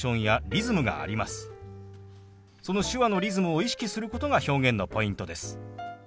その手話のリズムを意識することが表現のポイントです。